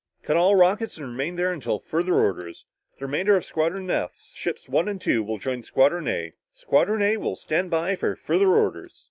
Cut all rockets and remain there until further orders. The remainder of Squadron F ships one and two will join Squadron A. Squadron A will stand by for further orders."